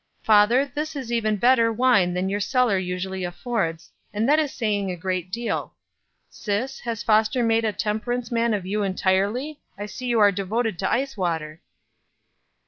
Father, this is even better wine than your cellar usually affords, and that is saying a great deal. Sis, has Foster made a temperance man of you entirely; I see you are devoted to ice water?"